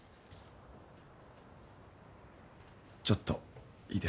ちょっといいですか？